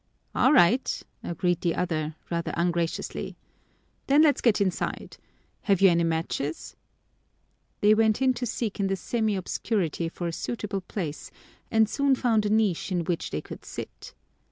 "All right," agreed the other, rather ungraciously. "Then let's get inside. Have you any matches?" They went in to seek in the semi obscurity for a suitable place and soon found a niche in which they could sit.